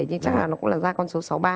thì chắc là nó cũng là ra con số sáu mươi ba